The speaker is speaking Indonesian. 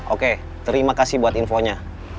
oke terima kasih buat infonya